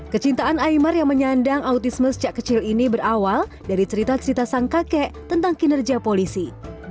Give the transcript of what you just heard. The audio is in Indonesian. kecintaan imar yang menyandang autisme sejak kecil ini berawal dari cerita cerita sang kakek tentang kinerja polisi